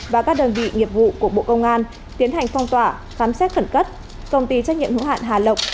và các đơn vị nghiệp vụ của bộ công an tiến hành phong tỏa khám xét khẩn cấp công ty trách nhiệm hữu hạn hà lộc